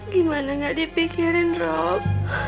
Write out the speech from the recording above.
gimana gak dipikirin rob